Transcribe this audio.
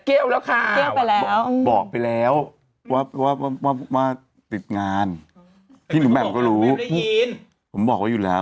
เกล้วแล้วค่ะบอกไปแล้วว่าติดงานพี่หนูแบบก็รู้ผมบอกว่าอยู่แล้ว